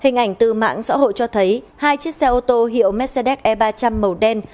ngành tư mạng xã hội cho thấy hai chiếc xe ô tô hiệu mercedes e ba trăm linh màu đen